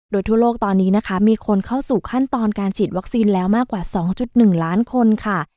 โดยทั่วโลกตอนนี้นะคะมีคนเข้าสู่ขั้นตอนการฉีดวัคซีนแล้วมากกว่า๒๑ล้านคนค่ะ